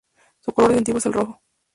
Su color distintivo es el rojo.